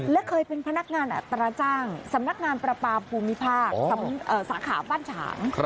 และเคยเป็นพนักงานอัตราจ้างสำนักงานประปาภูมิภาคสาขาบ้านฉาง